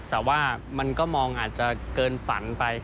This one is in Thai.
แต่ว่ามันก็มองอาจจะเกินฝันไป